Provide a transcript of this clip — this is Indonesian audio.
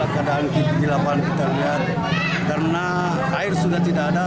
keadaan di lapangan kita lihat karena air sudah tidak ada